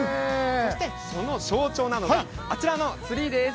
◆そしてその象徴なのがあちらのツリーです。